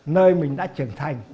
nơi mình đã trưởng thành